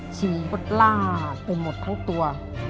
ชีวิตก็ล่าไปหมดทั้งตัว